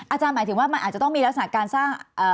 หมายถึงว่ามันอาจจะต้องมีลักษณะการสร้าง